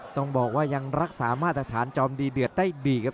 ต้องบอกว่ายังรักษามาตรฐานจอมดีเดือดได้ดีครับ